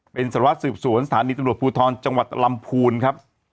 เป็นสารวัสสืบสวนสถานีตำรวจภูทรจังหวัดลำพูนครับ